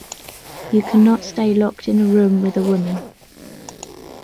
You can not stay locked in a room with a woman.